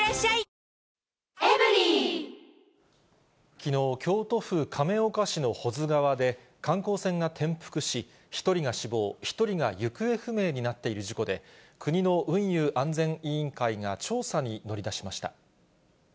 きのう、京都府亀岡市の保津川で、観光船が転覆し、１人が死亡、１人が行方不明になっている事故で、国の運輸安全委員会が調査に乗り出しました。